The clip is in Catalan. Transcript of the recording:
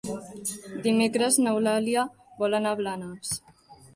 Dimecres n'Eulàlia vol anar a Blanes.